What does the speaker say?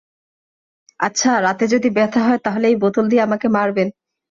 আচ্ছা, রাতে যদি ব্যথা হয়, তাহলে এই বোতল দিয়ে আমাকে মারবেন।